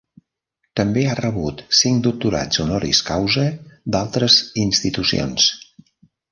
També ha rebut cinc doctorats honoris causa d'altres institucions.